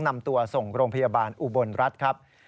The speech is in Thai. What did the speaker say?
นำตัวส่งโรงพยาบาลอุบลรัฐครับ